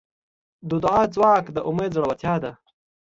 د دعا ځواک د امید زړورتیا ده.